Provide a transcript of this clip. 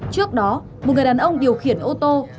trước đó một người đàn ông điều khiển ô tô